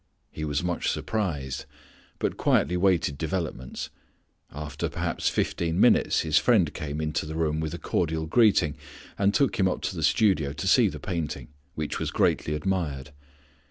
He was much surprised, but quietly waited developments. After perhaps fifteen minutes his friend came into the room with a cordial greeting, and took him up to the studio to see the painting, which was greatly admired.